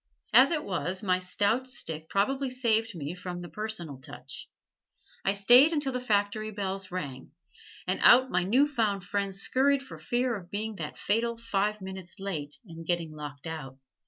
As it was, my stout stick probably saved me from the "personal touch." I stayed until the factory bells rang, and out my new found friends scurried for fear of being the fatal five minutes late and getting locked out.